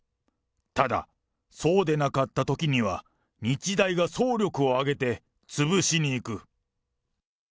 ただ、そうでなかったときには、日大が総力を挙げて潰しにいく。